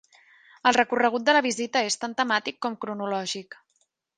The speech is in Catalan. El recorregut de la visita és tant temàtic com cronològic.